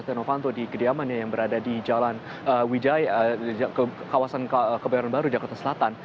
setia novanto di kediamannya yang berada di jalan wijaya kawasan kebayoran baru jakarta selatan